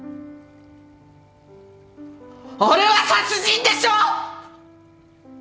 あれは殺人でしょ！？